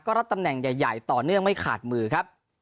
รับตำแหน่งใหญ่ต่อเนื่องไม่ขาดมือครับ